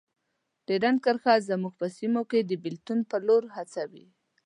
ډیورنډ کرښه زموږ په سیمو کې د بیلتون په لور هڅوي.